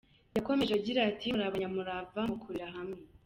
Yakomeje agira ati “Muri abanyamurava mukorera hamwe.